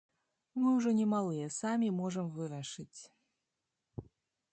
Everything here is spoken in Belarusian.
Мы ўжо не малыя, самі можам вырашаць.